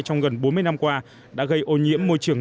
trong gần bốn mươi năm qua đã gây ô nhiễm môi trường